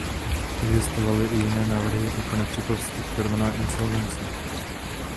Existovaly i jiné návrhy, jako například strukturovaná insolvence.